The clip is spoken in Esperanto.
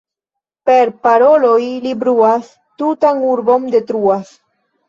Per paroloj li bruas, tutan urbon detruas.